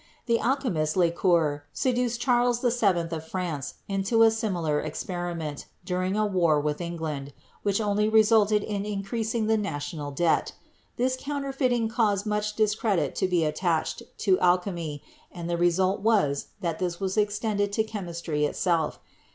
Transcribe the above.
The alchemist Le Cor seduced Charles VII. of France into a similar experiment during a war with England, which only resulted in increasing the national debt. This counterfeiting caused much discredit to be attached to alchemy and the result was that this was extended to chemistry itself.